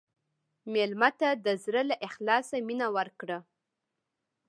مېلمه ته د زړه له اخلاصه مینه ورکړه.